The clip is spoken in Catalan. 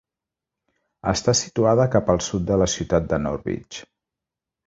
Està situada cap al sud de la ciutat de Norwich.